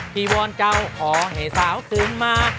พี่วรเจ้าอ๋อให้สาวซึมมา